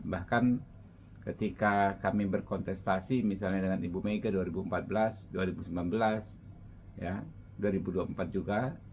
bahkan ketika kami berkontestasi misalnya dengan ibu mega dua ribu empat belas dua ribu sembilan belas dua ribu dua puluh empat juga